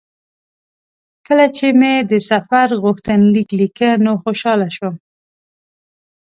کله چې مې د سفر غوښتنلیک لیکه نو خوشاله شوم.